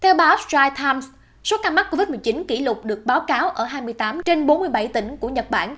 upside times số ca mắc covid một mươi chín kỷ lục được báo cáo ở hai mươi tám trên bốn mươi bảy tỉnh của nhật bản